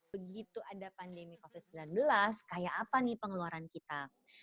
begitu ada pandemi covid sembilan belas kayak apa nih pengeluaran kita